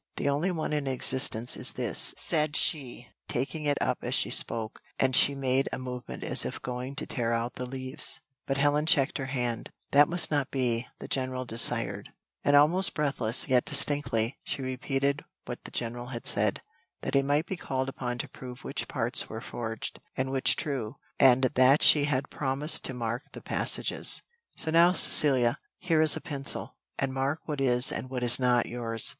"The only one in existence is this," said she, taking it up as she spoke, and she made a movement as if going to tear out the leaves, but Helen checked her hand, "That must not be, the general desired " And almost breathless, yet distinctly, she repeated what the general had said, that he might be called upon to prove which parts were forged, and which true, and that she had promised to mark the passages. "So now, Cecilia, here is a pencil, and mark what is and what is not yours."